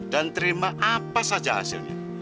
dan terima apa saja hasilnya